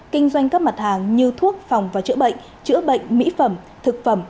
kinh doanh các mặt hàng như thuốc phòng và chữa bệnh chữa bệnh mỹ phẩm thực phẩm